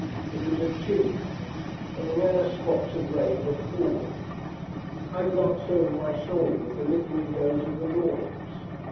It was a chilling night, and rare spots of rain were falling. I glanced over my shoulder at the lit windows of the Lords.